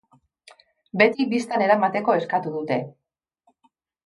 Beti bistan eramateko eskatu dute.